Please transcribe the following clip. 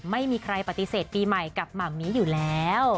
ไม่มีใครปฏิเสธปีใหม่กับหม่ำมี่อยู่แล้ว